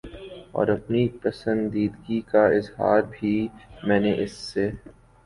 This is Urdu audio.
اور اپنی پسندیدگی کا اظہار بھی میں نے اس سے